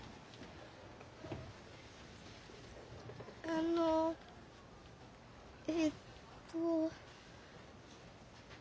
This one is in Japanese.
あのえっと。